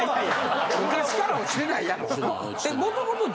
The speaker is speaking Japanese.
昔から落ちてないやろ。